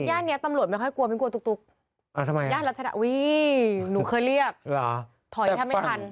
ย่านนี้ตำรวจไม่ค่อยกลัวไม่กลัวตุ๊กย่านรัชดาอุ้ยหนูเคยเรียกถอยแทบไม่ทัน